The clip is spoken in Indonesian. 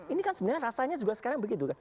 ini kan sebenarnya rasanya juga sekarang begitu kan